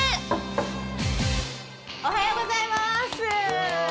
おはようございます。